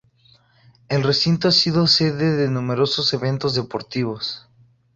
El recinto ha sido sede de numerosos eventos deportivos.